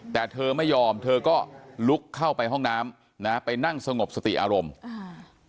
แต่เธอไม่ยอมเธอก็ลุกเข้าไปห้องน้ำนะฮะไปนั่งสงบสติอารมณ์อ่า